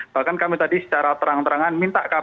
bahkan kami tadi secara perspektif kita juga mengatakan bahwa